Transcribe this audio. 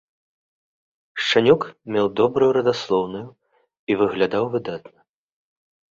Шчанюк меў добрую радаслоўную і выглядаў выдатна.